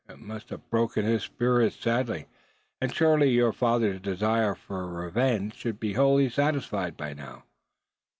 It must have broken his spirit sadly. And surely your father's desire for revenge should be wholly satisfied by now.